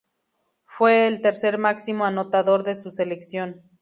Fue el tercer máximo anotador de su selección.